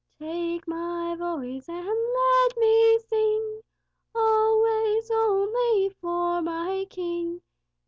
Take my voice, and let me sing Always, only, for my King.